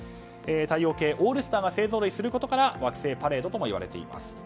太陽系オールスターが勢ぞろいすることから惑星パレードともいわれています。